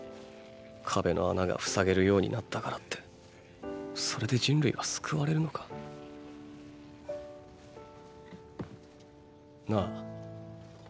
壁の穴が塞げるようになったからってそれで人類は救われるのか？なぁ。